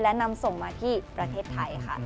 และนำส่งมาที่ประเทศไทยค่ะ